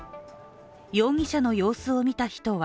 容疑者の様子を見た人は